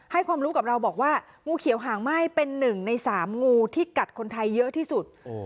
ความรู้กับเราบอกว่างูเขียวหางไหม้เป็นหนึ่งในสามงูที่กัดคนไทยเยอะที่สุด